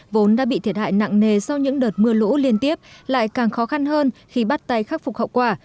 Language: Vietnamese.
vốn đã bị thiệt hại nặng nề sau những đợt mưa lũ liên tiếp lại càng khó khăn hơn khi bắt tay khắc phục hậu quả